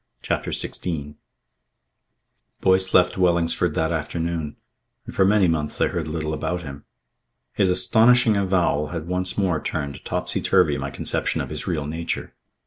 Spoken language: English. CHAPTER XVI Boyce left Wellingsford that afternoon, and for many months I heard little about him. His astonishing avowal had once more turned topsy turvy my conception of his real nature.